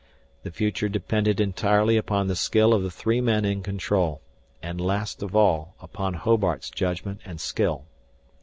The future depended entirely upon the skill of the three men in control and last of all upon Hobart's judgment and skill.